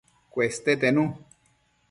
Cueste tenu